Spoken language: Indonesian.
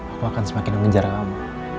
aku akan semakin mengejar kamu